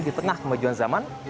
di tengah kemajuan zaman